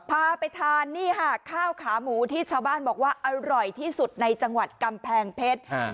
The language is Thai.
พาไปทานนี่ค่ะข้าวขาหมูที่ชาวบ้านบอกว่าอร่อยที่สุดในจังหวัดกำแพงเพชร